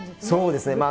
そうですね。